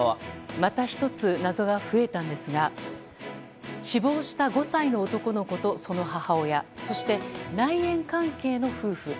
また１つ謎が増えたんですが死亡した５歳の男の子とその母親そして、内縁関係の夫婦。